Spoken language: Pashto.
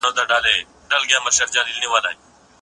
د لویې جرګي لپاره بودیجه څنګه مصرف کیږي؟